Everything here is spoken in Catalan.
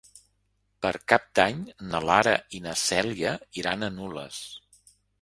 Per Cap d'Any na Lara i na Cèlia iran a Nules.